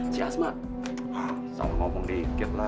si asma salah ngomong deket lah